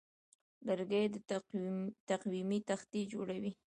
لرګی د تقویمو تختې جوړوي.